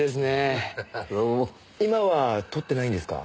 今は撮ってないんですか？